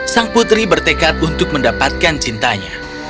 sang putri bertekad untuk mendapatkan cintanya